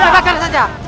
kita bakar saja